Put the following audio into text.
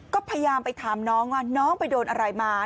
ก็พยายามไปถามน้องว่าน้องไปโดนอะไรมา